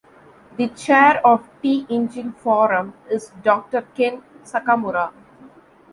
The chair of T-Engine Forum is Doctor Ken Sakamura.